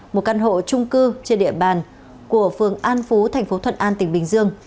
một căn hộ trung cư trên địa bàn của phường an phú thành phố thuận an tỉnh bình dương